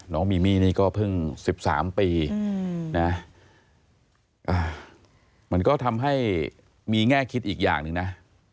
น้องมีมี่นี่ก็เพิ่ง๑๓ปีนะมันก็ทำให้มีแง่คิดอีกอย่างหนึ่งนะ